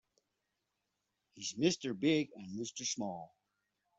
He's Mr. Big and Mr. Small.